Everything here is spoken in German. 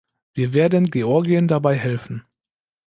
Wir werden Georgien dabei helfen.